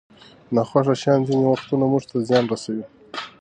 ناخوښه شیان ځینې وختونه موږ ته زیان رسوي.